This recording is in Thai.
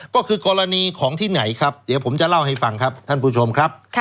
ก็คือกรณีของที่ไหนครับเดี๋ยวผมจะเล่าให้ฟังครับท่านผู้ชมครับ